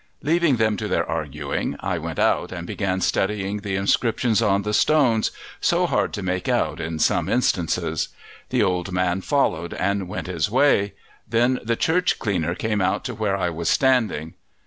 Leaving them to their arguing I went out and began studying the inscriptions on the stones, so hard to make out in some instances; the old man followed and went his way; then the church cleaner came out to where I was standing.